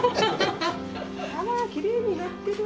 あらきれいになってる。